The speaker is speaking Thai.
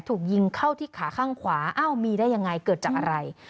ถูกยิงเข้าที่ขาข้างขวาอ้าวมีได้ยังไงเกิดจากอะไร